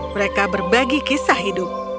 mereka berbagi kisah hidup